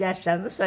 それ。